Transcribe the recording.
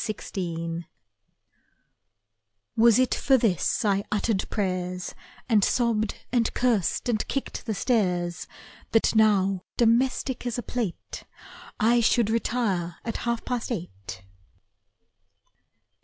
Grown up Was it for this I uttered prayers, And sobbed and cursed and kicked the stairs, That now, domestic as a plate, I should retire at half past eight?